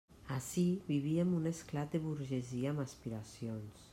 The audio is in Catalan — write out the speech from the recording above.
Ací vivíem un esclat de burgesia amb aspiracions.